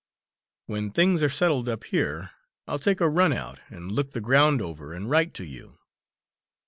When things are settled up here, I'll take a run out, and look the ground over, and write to you."